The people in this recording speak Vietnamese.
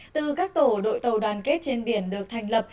từ các tổ đội tàu đoàn kết trên biển được thành lập